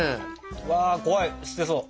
わ怖い捨てそう。